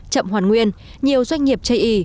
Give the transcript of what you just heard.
chậm hoàn nguyên nhiều doanh nghiệp chây y